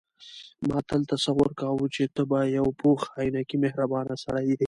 ما تل تصور کاوه چې ته به یو پوخ عینکي مهربانه سړی یې.